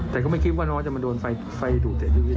แต่ก็ไม่คิดว่าน้องจะมาโดนไฟดูดเสียชีวิตใช่ไหมครับ